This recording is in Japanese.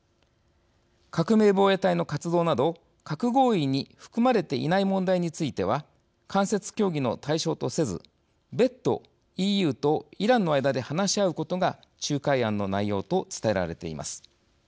革命防衛隊の活動など核合意に含まれていない問題については間接協議の対象とせず別途、ＥＵとイランの間で話し合うことが仲介案の内容と伝えられています。